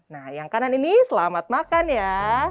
nah yang kanan ini selamat makan ya